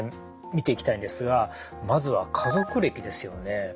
見ていきたいんですがまずは家族歴ですよね。